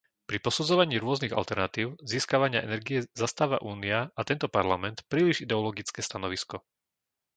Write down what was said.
Pri posudzovaní rôznych alternatív získavania energie zastáva Únia a tento Parlament príliš ideologické stanovisko.